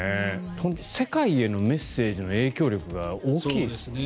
世界へのメッセージの影響力が大きいですよね。